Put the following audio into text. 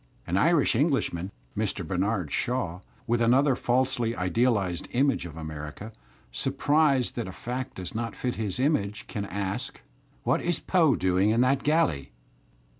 An Irish Englishman, Mr. Bernard Shaw, with another falsely idealized image of America, surprised that a fact does not fit his image^ can ask: "What is Poe doing in that galley?"